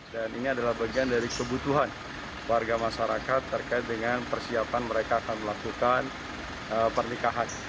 dan ini adalah bagian dari kebutuhan warga masyarakat terkait dengan persiapan mereka akan melakukan pernikahan